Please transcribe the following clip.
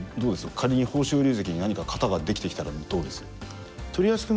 仮に豊昇龍関に何か型ができてきたらどうです？